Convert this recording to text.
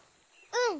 うん。